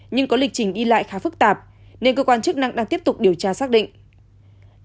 nhưng có lịch trình đi lại khá phức tạp nên cơ quan chức năng đang tiếp tục điều tra xác định